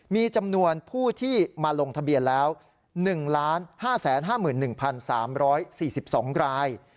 มีจำนวนผู้ที่มาลงทะเบียนแล้ว๑๕๕๑๓๔๒ราย